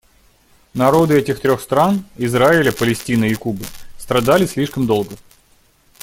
Народы этих трех стран — Израиля, Палестины и Кубы — страдали слишком долго.